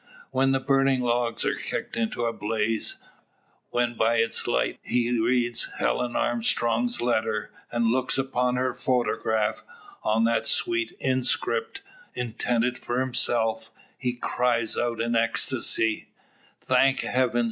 When the burning logs are kicked into a blaze; when by its light he reads Helen Armstrong's letter, and looks upon her photograph on that sweet inscript intended for himself he cries out in ecstasy, "Thank heaven!